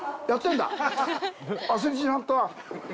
忘れてしまった？